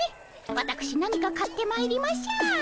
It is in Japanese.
わたくし何か買ってまいりましょう。